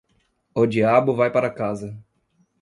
O diabo vai para casa.